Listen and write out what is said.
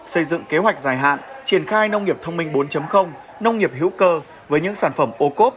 xây dựng kế hoạch dài hạn triển khai nông nghiệp thông minh bốn nông nghiệp hữu cơ với những sản phẩm ô cốp